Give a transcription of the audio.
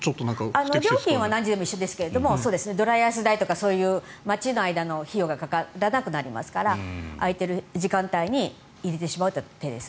料金は何時でも一緒ですがドライアイス代とか待ちの間の費用がかからなくなりますから空いている時間帯に入れてしまうというのも手です。